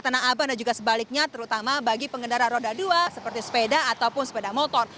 tanah abang dan juga sebaliknya terutama bagi pengendara roda dua seperti sepeda ataupun sepeda motor